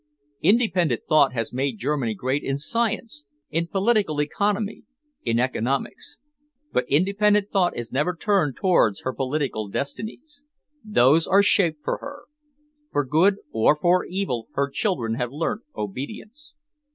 Independent thought has made Germany great in science, in political economy, in economics. But independent thought is never turned towards her political destinies. Those are shaped for her. For good or for evil her children have learnt obedience."